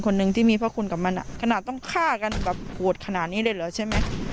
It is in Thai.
หนึ่งที่มีพระคุณกับมันขนาดต้องฆ่ากันแบบโหดขนาดนี้เลยเหรอใช่ไหม